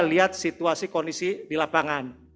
lihat situasi kondisi di lapangan